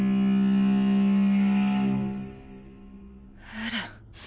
エレン。